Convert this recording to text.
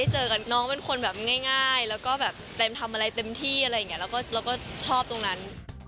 ชอบตรงนั้น